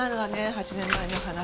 ８年前の話。